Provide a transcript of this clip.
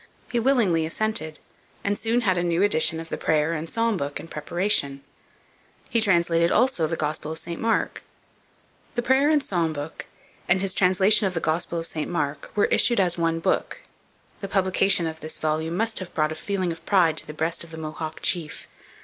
He willingly assented, and soon had a new edition of the Prayer and Psalm Book in preparation, He translated also the Gospel of St Mark. The Prayer and Psalm Book and his translation of the Gospel of St Mark were issued as one book. The publication of this volume must have brought a feeling of pride to the breast of the Mohawk chief.